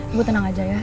ibu tenang aja ya